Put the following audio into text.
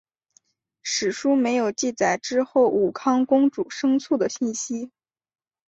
史书没有记载之后武康公主生卒的信息。